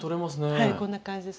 はいこんな感じです。